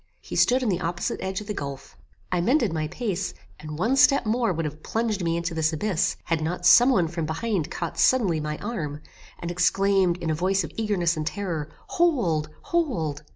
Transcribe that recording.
He stood on the opposite edge of the gulph. I mended my pace, and one step more would have plunged me into this abyss, had not some one from behind caught suddenly my arm, and exclaimed, in a voice of eagerness and terror, "Hold! hold!"